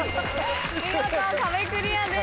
見事壁クリアです。